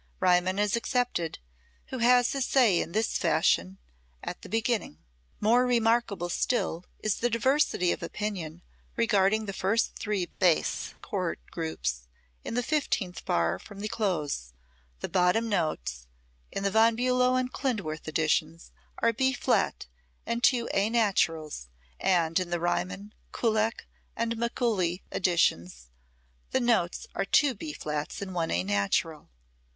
Riemann is excepted, who has his say in this fashion, at the beginning: [Musical score excerpt] More remarkable still is the diversity of opinion regarding the first three bass chord groups in the fifteenth bar from the close: the bottom notes in the Von Bulow and Klindworth editions are B flat and two A naturals, and in the Riemann, Kullak and Mikuli editions the notes are two B flats and one A natural.